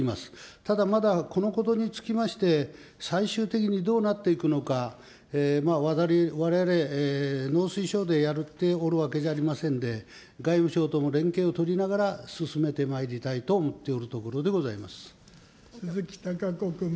ただ、まだこのことにつきまして最終的にどうなっていくのか、われわれ農水省でやっておるわけじゃありませんで、外務省とも連携を取りながら進めてまいりたいと鈴木貴子君。